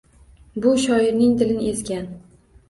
Bu — shoirning dilin ezgan